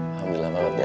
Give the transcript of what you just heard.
alhamdulillah banget ya